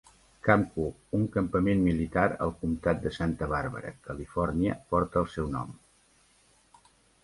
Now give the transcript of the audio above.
Camp Cooke, un campament militar al comtat de Santa Barbara, Califòrnia, porta el seu nom.